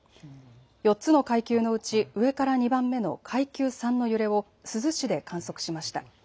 ４つの階級のうち上から２番目の階級３の揺れを珠洲市で観測しました。